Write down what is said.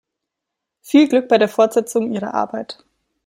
Viel Glück bei der Fortsetzung Ihrer Arbeit.